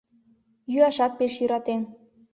Йӱашат пеш йӧратен.